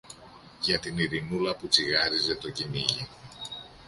για την Ειρηνούλα που τσιγάριζε το κυνήγι.